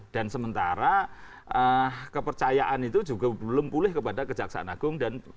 dan sementara kepercayaan itu juga belum pulih kepada kejaksaan agung dan kepolisian